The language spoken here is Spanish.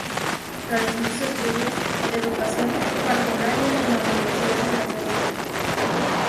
Realizó sus estudios de Educación Parvularia en la Universidad de La Serena.